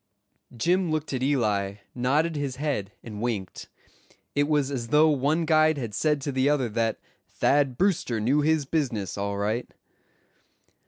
Jim looked at Eli, nodded his head, and winked. It was as though one guide had said to the other that Thad Brewster knew his business, all right.